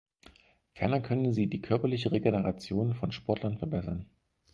Ferner können sie die körperliche Regeneration von Sportlern verbessern.